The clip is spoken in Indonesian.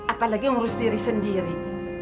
apalagi ngurus diri sendiri